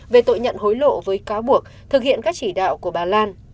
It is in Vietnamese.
về tội nhận hối lộ với cáo buộc thực hiện các chỉ đạo của bà lan